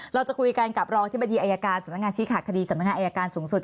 เราจะคุยกันกับรองอธิบดีอายการสำนักงานชี้ขาดคดีสำนักงานอายการสูงสุด